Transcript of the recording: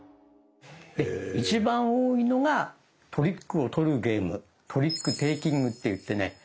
一番多いのがトリックを取るゲーム「トリックテイキング」って言ってね